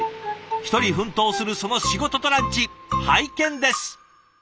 一人奮闘するその仕事とランチ拝見です。